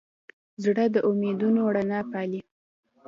زړه د امیدونو رڼا پالي.